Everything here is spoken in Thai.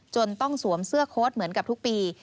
จนต้องสวมเสื้อโค้ดเหมือนกับทุกปี